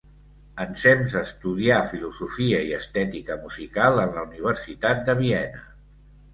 Ensems estudià filosofia i estètica musical en la Universitat de Viena.